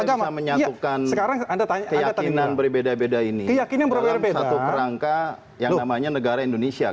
bagaimana bisa menyatukan keyakinan berbeda beda ini dalam satu perangka yang namanya negara indonesia